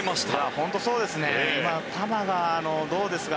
本当にそうですね。